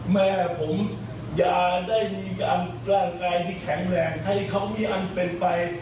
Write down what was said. แม่ผมอย่าได้มีการร่างกายที่แข็งแรงให้เขามีอันเป็นไป